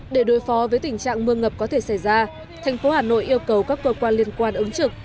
để đối phó với tình trạng mưa ngập có thể xảy ra thành phố hà nội yêu cầu các cơ quan liên quan ứng trực